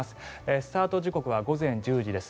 スタート時刻は午前１０時です。